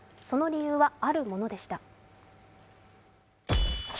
その理由は、あるものでした。